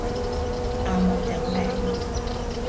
阿茂整餅